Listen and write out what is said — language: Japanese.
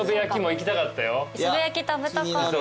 磯辺焼き食べたかった。